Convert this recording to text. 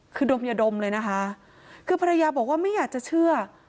คือดมยาดมเลยนะคะคือภรรยาบอกว่าไม่อยากจะเชื่อ